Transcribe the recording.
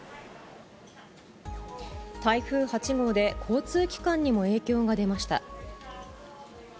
台風８号で交通機関にも影響が出ました。